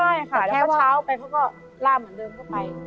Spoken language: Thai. ไม่ค่ะแล้วก็เช้าไปเขาก็ล่าเหมือนเดิมเข้าไป